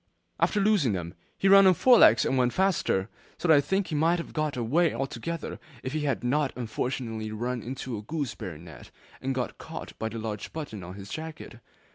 After losing them, he ran on four legs and went faster, so that I think he might have got away altogether if he had not unfortunately run into a gooseberry net, and got caught by the large buttons on his jacket.